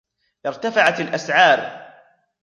ارتفعت الأسعار.